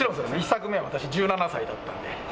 １作目、私、１７歳だったんで。